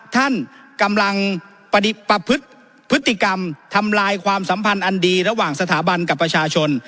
ท่านกำลังประพฤติพฤติกรรมทำลายความสัมพันธ์อันดีระหว่างสถาบันกับประชาชน